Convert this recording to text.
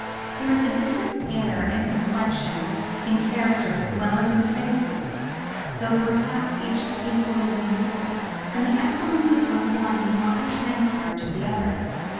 There is a different air and complexion in characters as well as in faces, though perhaps each equally beautiful; and the excellences of one cannot be transferred to the other.